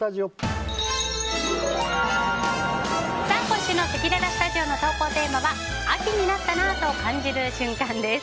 今週のせきららスタジオの投稿テーマは秋になったなぁと感じる瞬間です。